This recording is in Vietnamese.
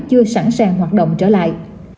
chưa sẵn sàng hoạt động trở lại